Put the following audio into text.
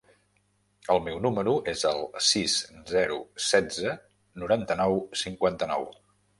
El meu número es el sis, zero, setze, noranta-nou, cinquanta-nou.